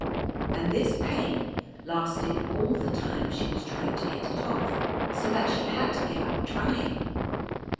And this pain lasted all the time she was trying to get it off, so that she had to give up trying.